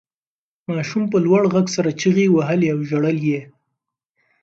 ماشوم په لوړ غږ سره چیغې وهلې او ژړل یې.